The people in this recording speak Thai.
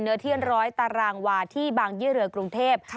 เนื้อเทียนร้อยตารางวาที่บางเยื่อเรือกรุงเทพฯ